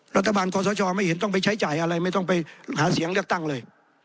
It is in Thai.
รัฐบาลคอสชไม่เห็นต้องไปใช้จ่ายอะไรไม่ต้องไปหาเสียงเลือกตั้งเลย